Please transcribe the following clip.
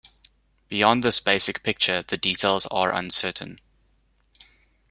Beyond this basic picture the details are uncertain.